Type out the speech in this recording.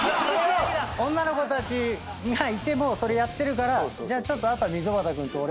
女の子たちがいてもそれやってるからじゃああとは溝端君と俺で。